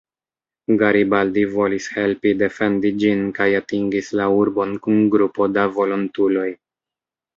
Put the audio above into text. Garibaldi volis helpi defendi ĝin kaj atingis la urbon kun grupo da volontuloj.